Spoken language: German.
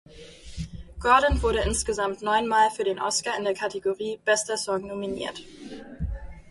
Gordon wurde insgesamt neun Mal für den Oscar in der Kategorie "bester Song" nominiert.